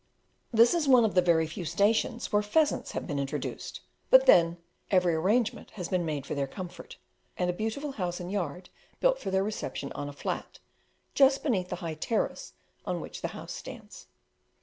This is one of the very few stations where pheasants have been introduced, but then, every arrangement has been made for their comfort, and a beautiful house and yard built for their reception on a flat, just beneath the high terrace on which the house stands.